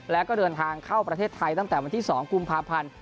แล้วก็เดินทางเข้าประเทศไทยตั้งแต่วันที่๒กุมภาพันธ์